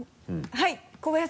はい。